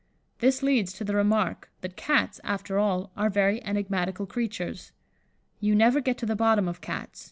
This leads to the remark, that Cats, after all, are very enigmatical creatures. You never get to the bottom of Cats.